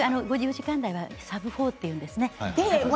５時間台はサブ４と、言うんですね。